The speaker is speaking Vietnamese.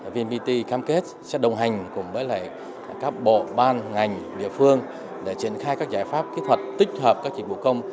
vnpt cam kết sẽ đồng hành cùng với các bộ ban ngành địa phương để triển khai các giải pháp kỹ thuật tích hợp các dịch vụ công